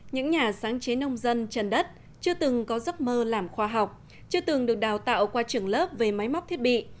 những nhà sáng chế nông dân trần đất chưa từng có giấc mơ làm khoa học chưa từng được đào tạo qua trường lớp về máy móc thiết bị